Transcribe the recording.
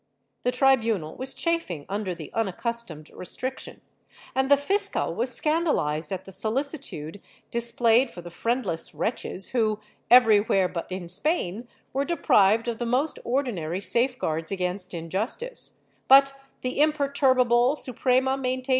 The tribunal was chafing under the unaccustomed restriction, and the fiscal was scandalized at the solicitude displayed for the friendless wretches who, every where but in Spain, were deprived of the most ordinary safeguards against injustice, but the imperturbable Suprema maintained its ^ Archive de Simancas, Inq.